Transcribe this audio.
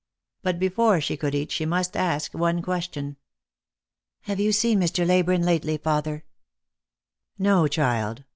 But before she could eat, she must ask one question. " Have you seen Mr. Leyburne lately, father P " "No, child.